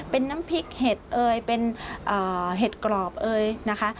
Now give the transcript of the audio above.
เป็นน้ำพริกเห็ดเอ่ยเป็นเห็ดกรอบเอยนะคะ